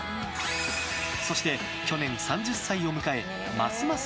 そして去年３０歳を迎えますます